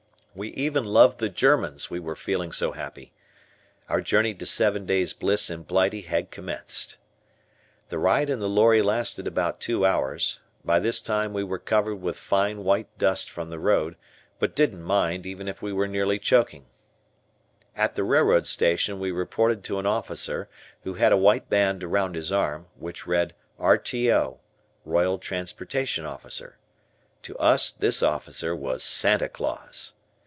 We even loved the Germans, we were feeling so happy. Our journey to seven days' bliss in Blighty had commenced. The ride in the lorry lasted about two hours; by this time we were covered with fine, white dust from the road, but didn't mind, even if we were nearly choking. {Photo: Field Post Card Issued Once a Week to the Tommies.} At the railroad station at P we reported to an officer, who had a white band around his arm, which read "R.T.O." (Royal Transportation Officer). To us this officer was Santa Claus.